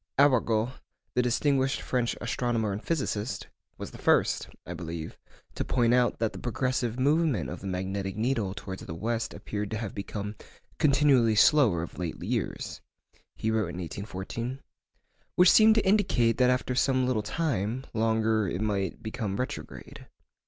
Arago, the distinguished French astronomer and physicist, was the first (I believe) to point out that 'the progressive movement of the magnetic needle towards the west appeared to have become continually slower of late years' (he wrote in 1814), 'which seemed to indicate that after some little time longer it might become retrograde.